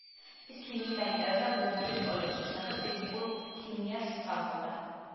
ის ქიმიით დაინტერესდა ბერნარდის კოლეჯში, სადაც ფიზიკურ ქიმიას სწავლობდა.